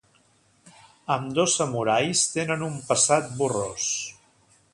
Ambdós samurais tenen un passat borrós.